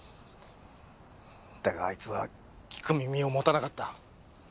だがあいつは聞く耳を持たなかった。